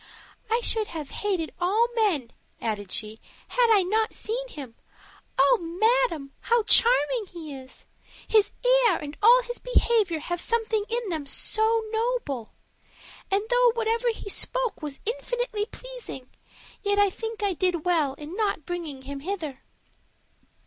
"I should have hated all men," added she, "had I not seen him! Oh, madam, how charming he is! His air and all his behavior have something in them so noble; and though whatever he spoke was infinitely pleasing, yet I think I did well in not bringing him hither."